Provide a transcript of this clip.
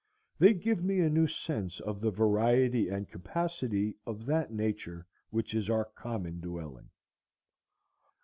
They give me a new sense of the variety and capacity of that nature which is our common dwelling.